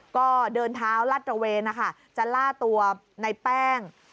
ก็เดินเท้าลัดตระเวนนะคะจะล่าตัวในแป้ง